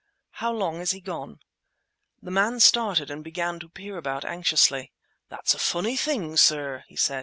"How long is he gone?" The man started and began to peer about anxiously. "That's a funny thing, sir," he said.